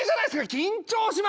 緊張しますよ。